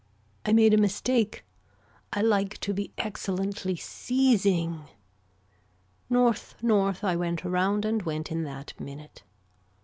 I made a mistake. I like to be excellently seizing. North north I went around and went in that minute.